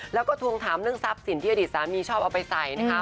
แล้วก็ทวงถามเรื่องทรัพย์สินที่อดีตสามีชอบเอาไปใส่นะคะ